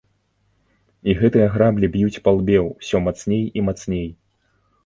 І гэтыя граблі б'юць па лбе ўсё мацней і мацней.